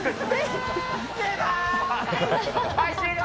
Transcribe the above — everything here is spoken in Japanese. はい、終了。